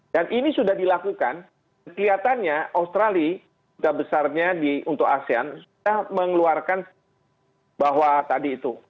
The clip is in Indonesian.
dan ini sudah dilakukan kelihatannya australia sudah besarnya untuk asean sudah mengeluarkan bahwa tadi itu